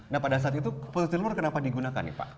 nah pada saat itu posisi telur kenapa digunakan nih pak